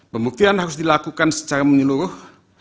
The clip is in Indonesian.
pembuktian harus dilakukan secara menyeluruh